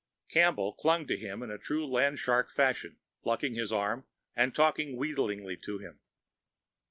Campbell clung to him in true land shark fashion, plucking his arm and talking wheedlingly to him.